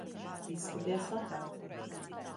Izskaties satraukta.